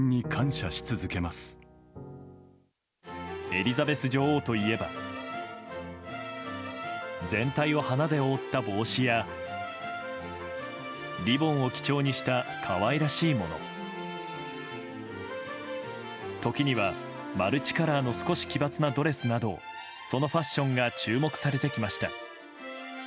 エリザベス女王といえば全体を花で覆った帽子やリボンを基調にした可愛らしいもの時には、マルチカラーの少し奇抜なドレスなどそのファッションが注目されてきました。